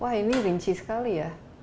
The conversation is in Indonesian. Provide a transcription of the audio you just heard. wah ini rinci sekali ya